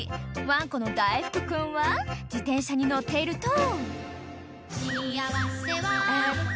［ワンコのだいふく君は自転車に乗っていると］